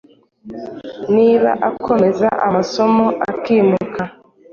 niba akomeza amasomo akimuka.